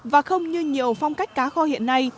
và không như nhiều phong cách cá kho hiện nay